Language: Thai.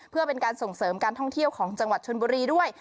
เพื่อเป็นการส่งเสริมการท่องเที่ยวของจังหวัดชนบุรีด้วย